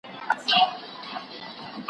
یو ګنجی خدای برابر پر دې بازار کړ